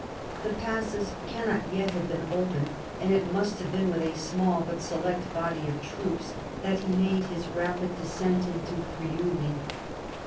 The passes cannot yet have been open, and it must have been with a small but select body of troops that he made his rapid descent upon Friuli.